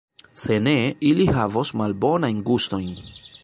Se ne, ili havos malbonajn gustojn.